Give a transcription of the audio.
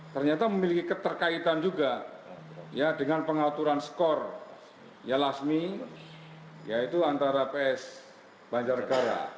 ternyata memiliki keterkaitan juga dengan pengaturan skor ya lasmi yaitu antara ps banjargara